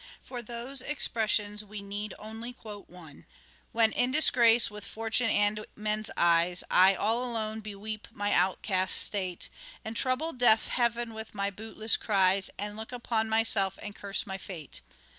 From those expressions we need only quote one :" When in disgrace with Fortune and men's eyes, I, all alone, beweep my outcast state, And trouble deaf heaven with my bootless cries, And look upon myself and curse my fate